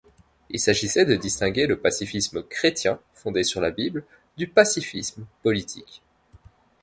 Il s'agissait de distinguer le pacifisme chrétien fondé sur la Bible du pacifisme politique.